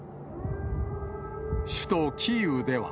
首都キーウでは。